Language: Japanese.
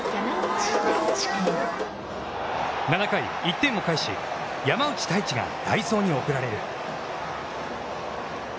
７回、１点を返し、山内太智が代走に送られる。